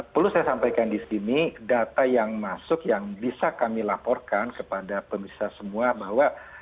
perlu saya sampaikan di sini data yang masuk yang bisa kami laporkan kepada pemirsa semua bahwa